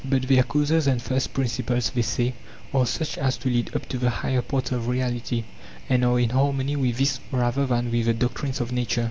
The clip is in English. But their causes and first principles, they say, are such as to lead up to the higher parts of reality, and are in harmony with this rather than with the doctrines of nature.